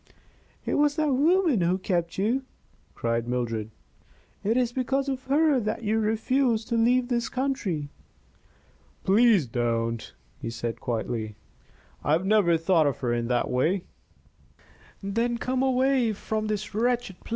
"It was that woman who kept you!" cried Mildred. "It is because of her that you refuse to leave this country!" "Please don't," he said, quietly. "I have never thought of her in that way " "Then come away from this wretched place.